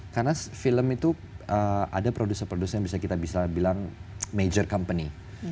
karena film itu ada produser produser yang bisa kita bilang major company